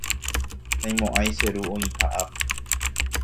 naimo'ãi che ru oĩha ápe